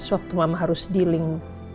waktu mama harus dealing